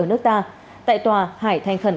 ở nước ta tại tòa hải thanh khẩn